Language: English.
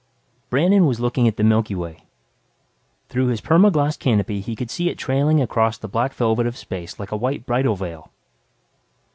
_ Brandon was looking at the Milky Way. Through his perma glas canopy, he could see it trailing across the black velvet of space like a white bridal veil.